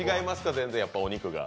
全然、お肉が。